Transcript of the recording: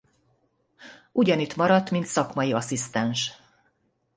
Ugyanitt maradt mint szakmai asszisztens.